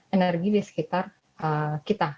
energi di sekitar kita